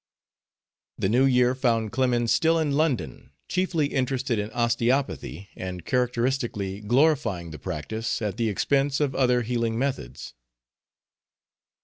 The New Year found Clemens still in London, chiefly interested in osteopathy and characteristically glorifying the practice at the expense of other healing methods.